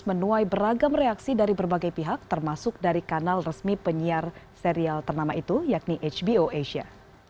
menuai beragam reaksi dari berbagai pihak termasuk dari kanal resmi penyiar serial ternama itu yakni hbo asia